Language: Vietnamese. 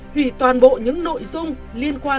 hủy toàn bộ những nội dung liên quan